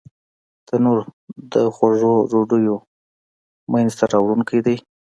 تنور د خوږو ډوډیو مینځ ته راوړونکی دی